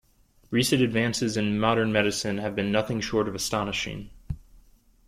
Recent advances in modern medicine have been nothing short of astonishing.